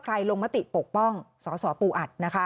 ใครลงมติปกป้องสอปูอัด